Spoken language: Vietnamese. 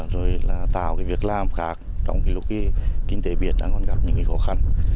rồi là tạo cái việc làm khác trong cái lúc kinh tế biển đang còn gặp những khó khăn